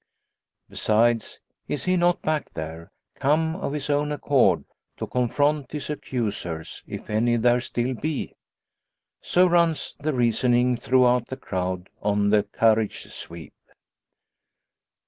Besides, is he not back there come of his own accord to confront his accusers, if any there still be? So runs the reasoning throughout the crowd on the carriage sweep.